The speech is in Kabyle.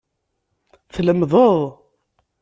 Tlemdeḍ.